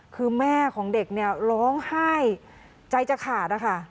คือแม่ของเด็กเนี่ยร้องไห้ใจจะขาดนะคะ